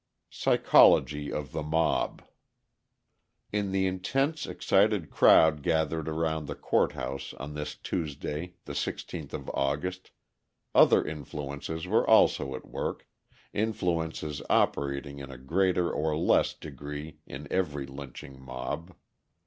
Psychology of the Mob In the intense, excited crowd gathered around the court house on this Tuesday, the 16th of August, other influences were also at work, influences operating in a greater or less degree in every lynching mob.